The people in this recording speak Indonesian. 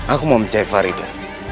aku mau mencari farida